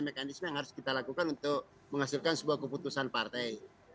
mekanisme yang harus kita lakukan untuk menghasilkan sebuah keputusan partai